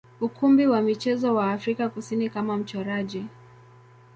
ukumbi wa michezo wa Afrika Kusini kama mchoraji.